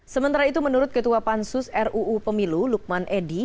sementara itu menurut ketua pansus ruu pemilu lukman edi